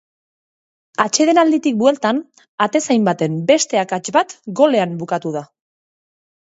Atsedenalditik bueltan, atezain baten beste akats bat golean bukatu da.